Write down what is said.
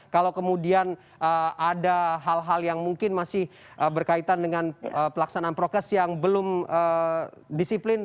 kalau kemudian ada hal hal yang mungkin masih berkaitan dengan pelaksanaan prokes yang belum disiplin